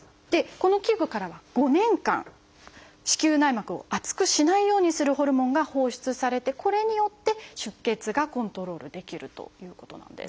この器具からは５年間子宮内膜を厚くしないようにするホルモンが放出されてこれによって出血がコントロールできるということなんです。